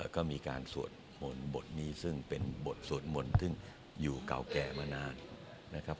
ก็มีการสวดมนต์บทนี้ซึ่งเป็นบทสวดมนต์ซึ่งอยู่เก่าแก่มานานนะครับ